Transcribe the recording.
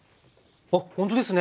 あっほんとですね。